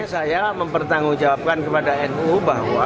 saya mempertanggungjawabkan kepada nu bahwa